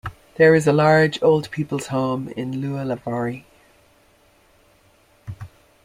There is a large old people's home in Luolavuori.